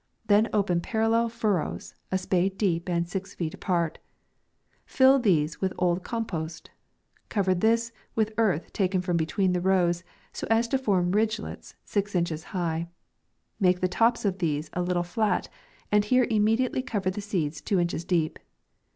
Then open parallel furrows, a spade deep, and six feet apart ; fill these with old com post ; cover this with earth taken from be tween the rows, so as to form ridglets six inches high; make the tops of these a little ilat, and here immediately cov r the seeds two inches deep.